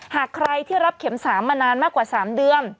หากใครที่รับเข็ม๓มานานมากกว่า๓เดือน